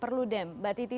selamat malam mbak fitri